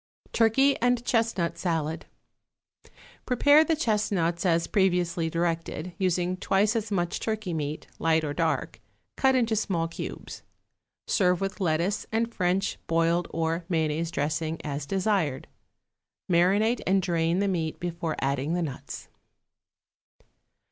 =Turkey and Chestnut Salad.= Prepare the chestnuts as previously directed, using twice as much turkey meat, light or dark, cut into small cubes. Serve with lettuce and French, boiled or mayonnaise dressing, as desired. Marinate and drain the meat before adding the nuts.